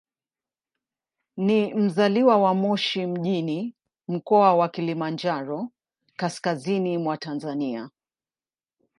Ni mzaliwa wa Moshi mjini, Mkoa wa Kilimanjaro, kaskazini mwa Tanzania.